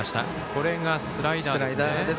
これがスライダーですね。